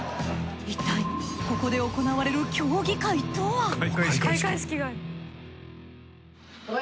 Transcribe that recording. いったいここで行われる競技会とは？